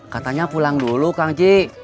katanya pulang dulu kangcik